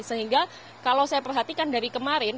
sehingga kalau saya perhatikan dari kemarin